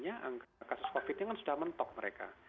angka kasus covid nya kan sudah mentok mereka